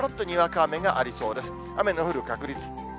雨の降る確率。